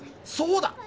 そうだ！